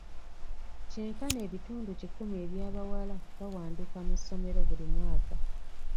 Kyenkana ebitundu kikumi eby'abawala bawanduka mu ssomero buli mwaka.